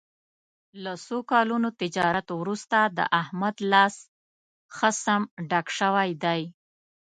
له څو کلونو تجارت ورسته د احمد لاس ښه سم ډک شوی دی.